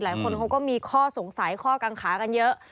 หลายคนเขาก็มีข้อสงสัยข้อกังขากันเยอะ